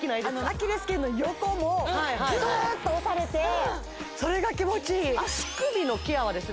アキレス腱の横もグーッと押されてそれが気持ちいい足首のケアはですね